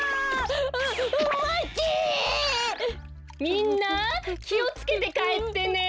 みんなきをつけてかえってね。